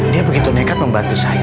dia begitu nekat membantu saya